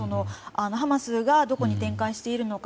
ハマスがどこに展開しているのか。